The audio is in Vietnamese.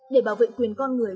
để bảo vệ quyền con người